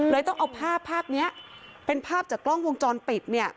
ต้องเอาภาพภาพนี้เป็นภาพจากกล้องวงจรปิดเนี่ย